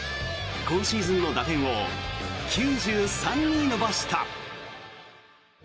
今シーズンの打点を９３に伸ばした。